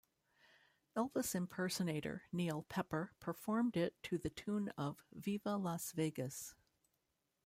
Elvis impersonator Neil Pepper performed it to the tune of "Viva Las Vegas".